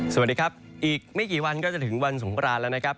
สวัสดีครับอีกไม่กี่วันก็จะถึงวันสงครานแล้วนะครับ